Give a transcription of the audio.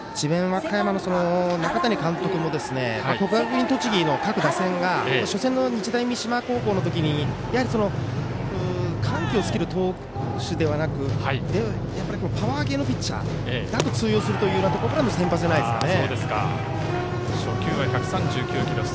和歌山の中谷監督も国学院栃木の各打線が初戦の日大三島高校の時にやはり緩急をつける投手ではなくパワー系のピッチャーだと通用するというところからの先発じゃないですかね。